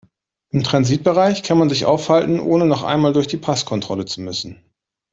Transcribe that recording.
Im Transitbereich kann man sich aufhalten, ohne noch einmal durch die Passkontrolle zu müssen.